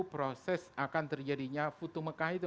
proses akan terjadinya futu mekah itu